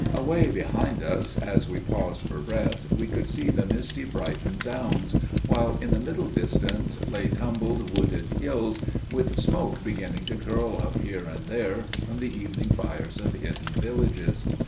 Away behind us, as we paused for breath, we could see the misty Brighton downs, while in the middle distance lay tumbled wooded hills, with smoke beginning to curl up here and there from the evening fires of hidden villages.